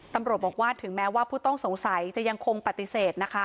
ตำรวจบอกว่าถึงแม้ว่าผู้ต้องสงสัยจะยังคงปฏิเสธนะคะ